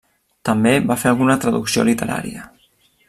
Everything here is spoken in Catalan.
També va fer alguna traducció literària.